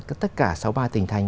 ở tất cả sáu ba tỉnh thành